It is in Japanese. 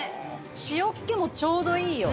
塩っ気もちょうどいいよ。